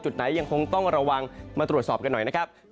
จุดไหนยังคงต้องระวังมาตรวจสอบกันหน่อยนะครับ